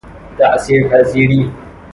تأثیر پذیری